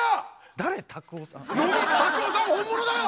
誰だよ。